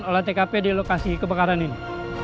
olah tkp di lokasi kebakaran ini